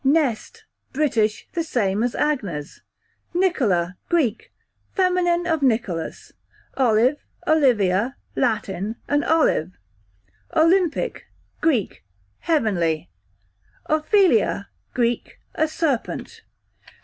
Nest, British, the same as Agnes, Nicola, Greek, feminine of Nicholas. Olive / Olivia, Latin, an olive. Olympic, Greek, heavenly. Ophelia, Greek, a serpent.